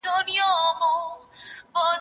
که بيا ودېدم، اينکى به مي ښه زده وي.